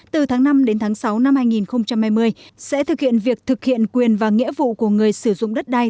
từ tháng năm đến tháng sáu năm hai nghìn hai mươi sẽ thực hiện việc thực hiện quyền và nghĩa vụ của người sử dụng đất đai